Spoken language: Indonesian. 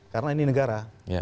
karena ini negara